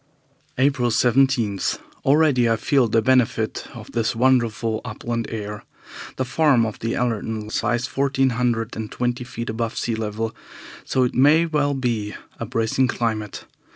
April 17. Already I feel the benefit of this wonderful upland air. The farm of the Allertons lies fourteen hundred and twenty feet above sea level, so it may well be a bracing climate.